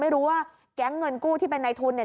ไม่รู้ว่าแก๊งเงินกู้ที่เป็นในทุนเนี่ย